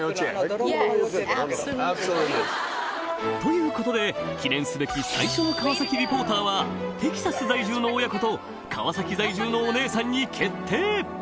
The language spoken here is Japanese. ということで記念すべき最初の川崎リポーターはテキサス在住の親子と川崎在住のお姉さんに決定！